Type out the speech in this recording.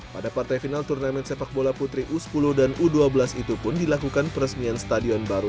pada partai final turnamen sepak bola putri u sepuluh dan u dua belas itu pun dilakukan peresmian stadion baru